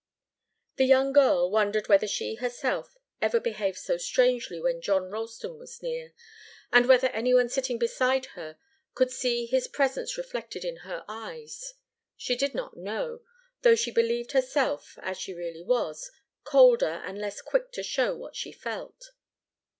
The young girl wondered whether she herself ever behaved so strangely when John Ralston was near, and whether any one sitting beside her could see his presence reflected in her eyes. She did not know, though she believed herself, as she really was, colder and less quick to show what she felt.